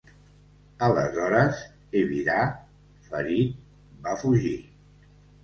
Aleshores, Ebirah, ferit, va fugir.